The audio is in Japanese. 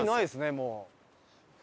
もう。